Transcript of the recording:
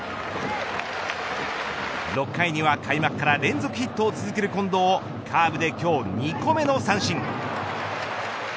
６回には開幕から連続ヒットを続ける近藤をカーブで、今日２個目の三振。